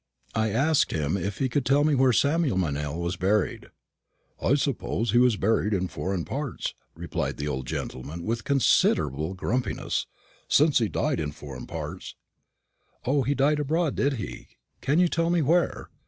I asked him if he could tell me where Samuel Meynell was buried. "I suppose he was buried in foreign parts," replied the old gentleman, with considerable grumpiness, "since he died in foreign parts." "O, he died abroad, did he? Can you tell me where?"